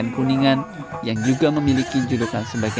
untuk meng lighthouse ke numero satu pada perjalanan bekas